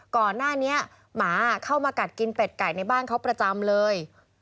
ก่อนหน้านี้หมาเข้ามากัดกินเป็ดไก่ในบ้านเขาประจำเลย